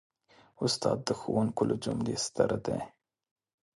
استاد د ښوونکو له جملې ستر دی.